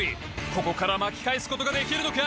ここから巻き返すことができるのか？